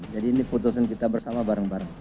jadi ini putusan kita bersama bareng bareng